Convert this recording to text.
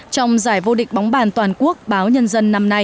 trong giải vô địch bóng bàn toàn quốc báo nhân dân năm nay